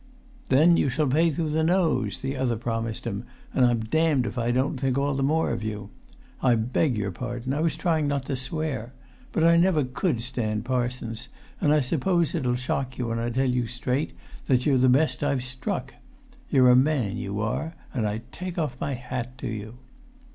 "Then you shall pay through the nose!" the other promised him; "and I'm damned if I don't think all the more of you. I beg your pardon. I was trying not to swear. But I never could stand parsons, and I suppose it'll shock you when I tell you straight that you're the best I've struck! You're a man, you are, and I take off my hat to you."